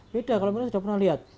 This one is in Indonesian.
beda kalau mereka sudah pernah lihat